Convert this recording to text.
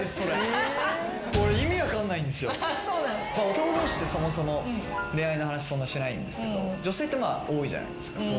男同士ってそもそも恋愛の話そんなしないんですけど女性って多いじゃないですか相談したりとか。